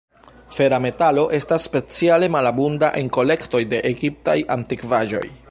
Fera metalo estas speciale malabunda en kolektoj de egiptaj antikvaĵoj.